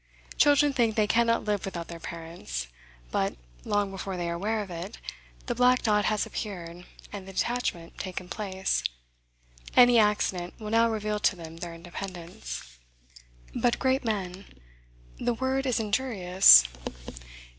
Children think they cannot live without their parents. But, long before they are aware of it, the black dot has appeared, and the detachment taken place. Any accident will now reveal to them their independence. But great men: the word is injurious.